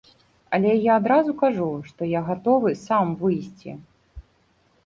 Але я адразу кажу, што я гатовы сам выйсці.